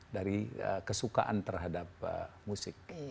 dari kesukaan terhadap musik